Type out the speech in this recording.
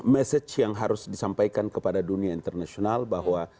message yang harus disampaikan kepada dunia internasional bahwa